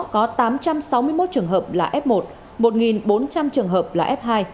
có tám trăm sáu mươi một trường hợp là f một một bốn trăm linh trường hợp là f hai